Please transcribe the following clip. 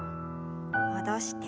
戻して。